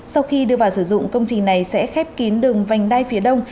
sau khi đưa vào sử dụng công trình này sẽ khép kín đường vành đai phía đông